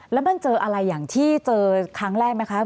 แล้วมันเจออะไรอย่างที่เจอครั้งแรกไหมคะ